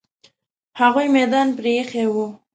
هغوی میدان پرې ایښی وو.